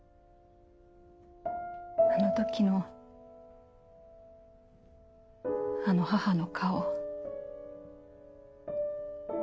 あの時のあの母の顔。